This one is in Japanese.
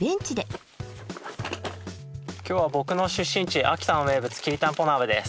今日は僕の出身地秋田の名物きりたんぽ鍋です。